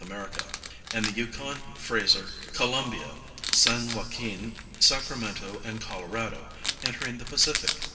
America); and the Yukon, Fraser, Colombia, San Joaquin, Sacramento, and Colorado, entering the Pacific.